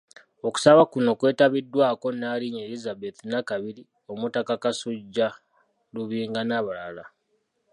Okusaba kuno kwetabiddwako; Nnaalinnya Elizabeth Nakabiri, Omutaka Kasujju Lubinga n'abalala.